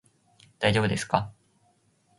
大丈夫ですか？